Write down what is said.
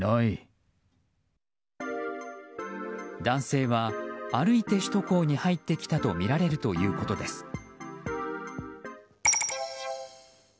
男性は歩いて首都高に入ってきたとみられるということです。